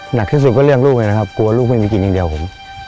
หนักที่สุดก็เรียกลูกเลยนะครับกลัวลูกไม่มีกินอย่างเดียวผม